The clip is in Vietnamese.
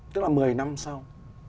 tức là một mươi năm sau